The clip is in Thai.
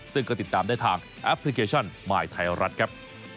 ซึ่งก็ติดตามได้ทางแอปพลิเคชันมายไทยรัฐครับ